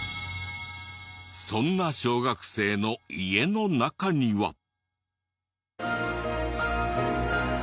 そんな小学生の家の中には。